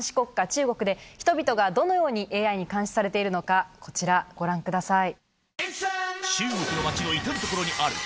中国で人々がどのようにＡＩに監視されているのかこちらご覧ください。